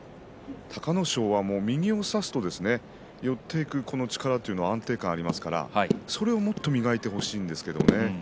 隆の勝は右を差すと寄っていく力というのは安定感がありますからそれをもっと磨いてほしいですね。